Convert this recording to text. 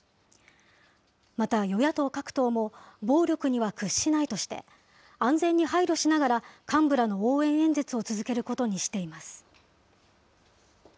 また与野党各党も、暴力には屈しないとして、安全に配慮しながら、幹部らの応援演説を続けることにしています。